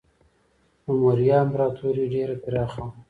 د موریا امپراتوري ډیره پراخه وه.